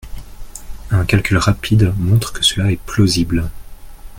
Un calcul rapide montre que cela est plausible.